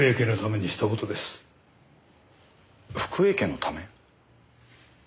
福栄家のため？